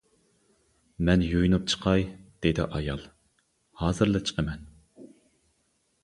-مەن يۇيۇنۇپ چىقاي، -دېدى ئايال-ھازىرلا چىقىمەن.